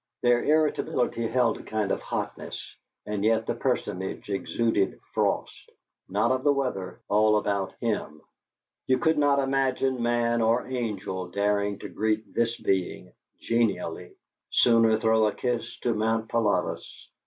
Their irritability held a kind of hotness, and yet the personage exuded frost, not of the weather, all about him. You could not imagine man or angel daring to greet this being genially sooner throw a kiss to Mount Pilatus!